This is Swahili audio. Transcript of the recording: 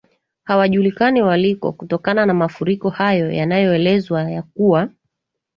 hawajulikani waliko kutokana na mafuriko hayo yanayoelezwa ya kuwa